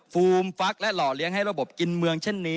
ฟูมฟักและหล่อเลี้ยงให้ระบบกินเมืองเช่นนี้